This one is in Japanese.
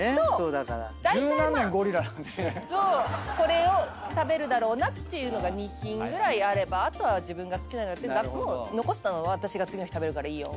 これを食べるだろうなっていうのが２品ぐらいあればあとは自分が好きなのもう残したのは私が次の日食べるからいいよ。